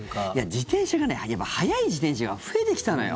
自転車が速い自転車が増えてきたのよ。